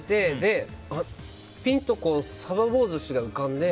ピンと、鯖棒寿司が浮かんで。